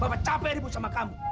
saya capek ribut sama kamu